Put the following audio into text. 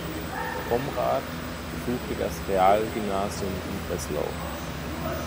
Vom Rath besuchte das Realgymnasium in Breslau.